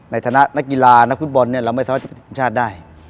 ในฐานะนักกีฬานักฟุตบอลเนี่ยเราไม่สามารถจะติดทีมชาติได้